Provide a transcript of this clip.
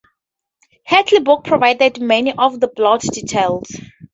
Hartley's book provided many of the plot details.